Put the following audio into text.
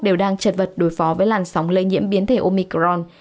đều đang chật vật đối phó với làn sóng lây nhiễm biến thể omicron